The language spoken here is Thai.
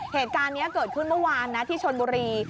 เหตุการณ์นี้เกิดขึ้นเมื่อวานนะที่ชนบุรี